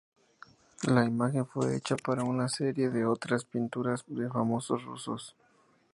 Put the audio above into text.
La imagen fue hecha para una serie de otras pinturas de famosos rusos.